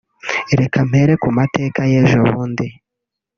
Reka mpere ku mateka y’ejobundi